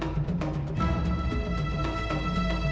kamu itu jangan egois afif